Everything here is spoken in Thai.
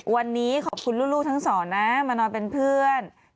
วันนี้ขอบคุณลูกทั้งสองนะมานอนเป็นเพื่อน